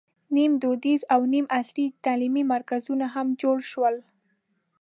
نیم دودیز او نیم عصري تعلیمي مرکزونه هم جوړ شول.